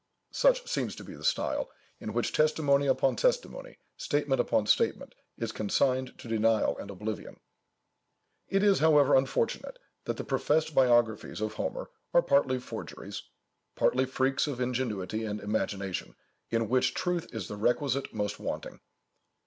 Such seems to be the style, in which testimony upon testimony, statement upon statement, is consigned to denial and oblivion. It is, however, unfortunate that the professed biographies of Homer are partly forgeries, partly freaks of ingenuity and imagination, in which truth is the requisite most wanting.